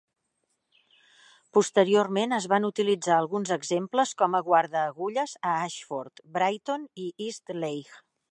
Posteriorment, es van utilitzar alguns exemples com a guardaagulles a Ashford, Brighton i Eastleigh.